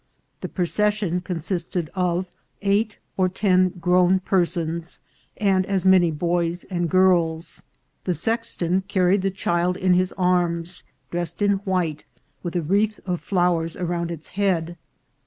The procession consisted of eight or ten grown persons, and as many boys and girls. The sex ton carried the child in his arms, dressed in white, with a wreath of flowers around its head.